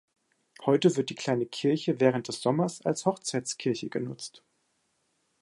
Heute wird die kleine Kirche während des Sommers als Hochzeitskirche genutzt.